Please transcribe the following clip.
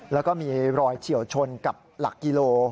แล้วก็มีรอยเฉียวชนกับหลักกิโล